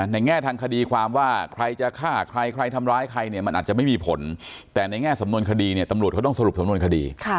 แง่ทางคดีความว่าใครจะฆ่าใครใครทำร้ายใครเนี่ยมันอาจจะไม่มีผลแต่ในแง่สำนวนคดีเนี่ยตำรวจเขาต้องสรุปสำนวนคดี